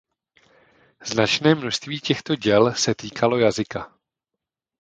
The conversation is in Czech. Značné množství těchto děl se týkalo jazyka.